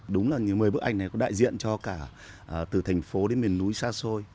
đúng là một mươi bức ảnh này có đại diện cho cả từ thành phố đến miền núi xa xôi